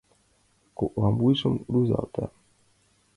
Коклан вуйжым рӱзалта.